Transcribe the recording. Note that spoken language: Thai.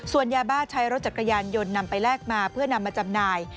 ส่วนยาบ้าใช้รถจักรยานยนต์นำไปแลกมาเพื่อนำมาจำหน่าย